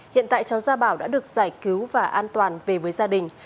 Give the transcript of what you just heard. hiện tại cháu gia bảo đã được giải cứu và an toàn về với gia đình